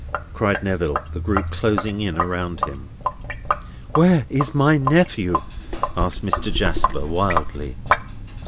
cried Neville, the group closing in around him. "Where is my nephew?" asked Mr. Jasper, wildly.